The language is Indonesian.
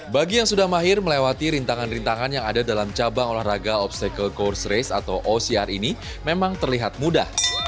bagi yang sudah mahir melewati rintangan rintangan yang ada dalam cabang olahraga obstacle course race atau ocr ini memang terlihat mudah